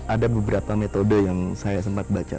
ada beberapa metode yang saya sempat baca